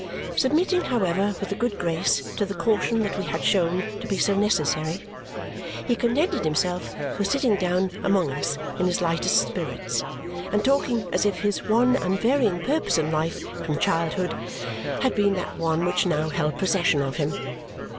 Submitting, however, with a good grace to the caution that we had shown to be so necessary, he contented himself with sitting down among us in his lightest spirits and talking as if his one unvarying purpose in life from childhood had been that one which now held possession of him.